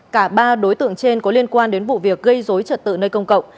cả ba đối tượng trên có liên quan đến vụ việc gây dối trật tự nơi công cộng